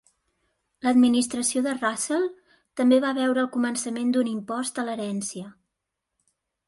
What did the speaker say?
L'administració de Russell també va veure el començament d'un impost a l'herència.